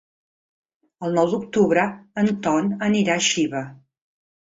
El nou d'octubre en Ton anirà a Xiva.